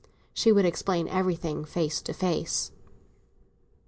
She would explain everything face to face.